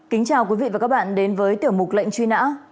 kính chào quý vị và các bạn đến với tiểu mục lệnh truy nã